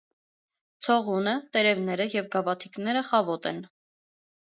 Ցողունը, տերևնեև և գավաթիկները խավոտ են։